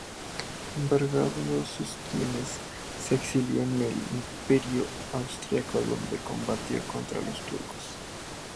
Embargados sus bienes, se exilió en el Imperio Austríaco donde combatió contra los turcos.